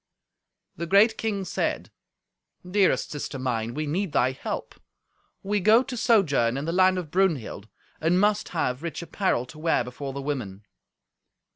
The great king said, "Dearest sister mine, we need thy help. We go to sojourn in the land of Brunhild, and must have rich apparel to wear before the women."